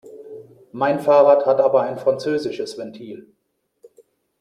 Mein Fahrrad hat aber ein französisches Ventil.